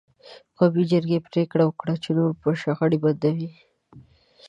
قومي جرګې پرېکړه وکړه: نور به شخړې بندوو.